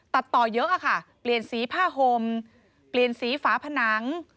ตัดต่อเยอะค่ะเปลี่ยนสีผ้าห่มเปลี่ยนสีฝาผนัง